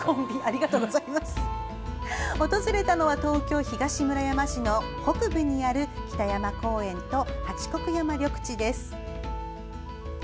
訪れたのは東京・東村山市の北部にある北山公園と、八国山緑地です。